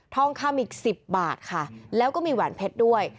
ทองคำอีก๑๐บาทค่ะแล้วก็มีแหวนเพชรด้วย